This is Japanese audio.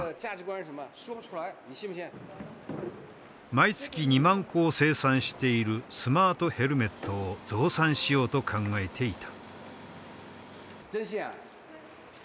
毎月２万個を生産しているスマートヘルメットを増産しようと考えていた。